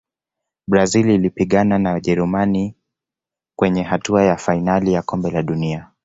brazil ilipigana na jerumani kwenye hatua ya fainali ya kombe la dunia